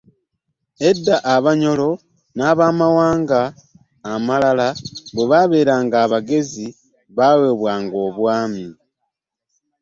Edda abanyoro n'abamawanga amalala bwe babeeranga abagezi baweebwanga obwami.